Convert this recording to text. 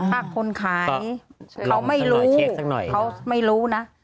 ถ้าคนขายเขาไม่รู้เขาไม่รู้นะ